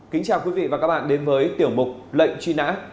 kính chào quý vị và các bạn đến với tiểu mục lệnh truy nã